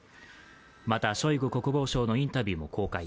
また、ショイグ国防相のインタビューも公開。